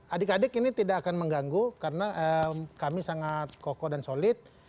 adik adik ini tidak akan mengganggu karena kami sangat kokoh dan solid